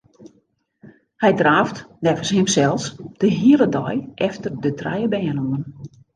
Hy draaft neffens himsels de hiele dei efter de trije bern oan.